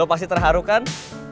lo pasti terharu kan